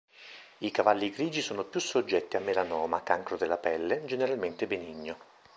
I cavalli grigi sono più soggetti a melanoma, cancro della pelle, generalmente benigno.